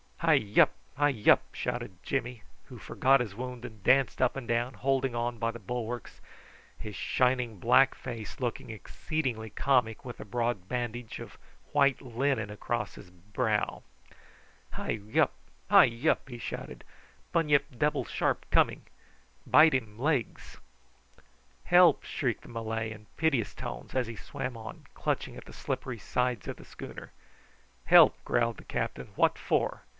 "Hi wup! hi wup!" shouted Jimmy, who forgot his wound, and danced up and down, holding on by the bulwarks, his shining black face looking exceedingly comic with a broad bandage of white linen across his brow. "Hi wup! hi wup!" he shouted; "bunyip debble shark coming bite um legs." "Help!" shrieked the Malay in piteous tones, as he swam on, clutching at the slippery sides of the schooner. "Help!" growled the captain; "what for?